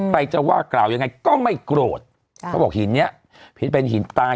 ใครจะว่ากล่าวยังไงก็ไม่โกรธเขาบอกหินเนี้ยเห็นเป็นหินตาย